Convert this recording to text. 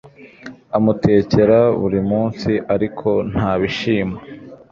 amutekera buri munsi, ariko ntabishima